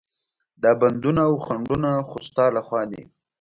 دا بندونه او خنډونه خو ستا له خوا دي.